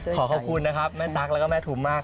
ขอขอบคุณนะครับแม่ตั๊กแล้วก็แม่ทุมมาก